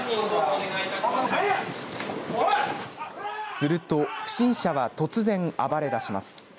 すると不審者は突然暴れだします。